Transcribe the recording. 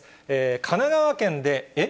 神奈川県で、えっ？